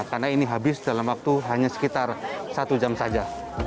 karena ini habis dalam waktu hanya sekitar satu jam saja